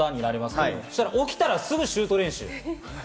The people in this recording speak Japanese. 上のだ、起きたらすぐにシュート練習。